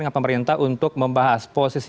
dengan pemerintah untuk membahas posisi